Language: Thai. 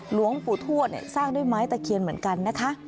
หลวงปู่ทวดสร้างด้วยไม้ตะเคียนเหมือนกันนะคะ